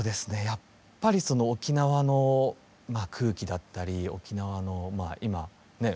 やっぱり沖縄の空気だったり沖縄の今ね